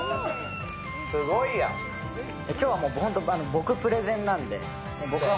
今日は僕プレゼンなんで。